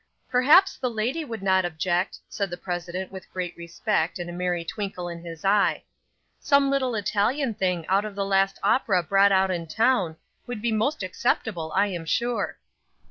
'Perhaps the lady would not object,' said the president with great respect, and a merry twinkle in his eye. 'Some little Italian thing out of the last opera brought out in town, would be most acceptable I am sure.